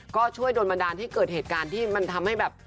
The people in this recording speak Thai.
ก็ช่วยโดนบันดาลให้เกิดเหตุการณ์ที่มันทำให้แบบ